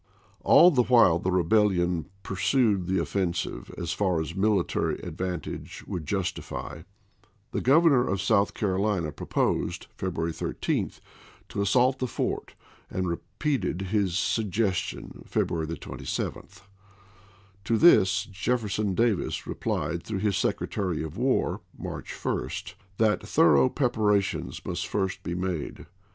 All the while the rebellion pursued the offensive as far as military advantage would jus tify. The Grovernor of South Carolina proposed, February 13, to assault the fort, and repeated his 18 THE SUMTER EXPEDITION 19 suggestion February 27. To this Jefferson Davis chap. it. replied through his Secretary of War, March 1, waiker that thorough preparations must first be made.